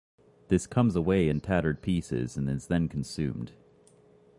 This comes away in tattered pieces and is then consumed.